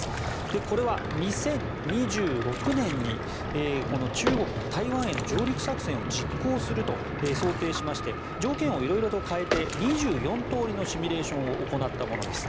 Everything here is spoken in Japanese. これは、２０２６年に中国が台湾への上陸作戦を実行すると想定しまして条件をいろいろと変えて２４通りのシミュレーションを行ったものです。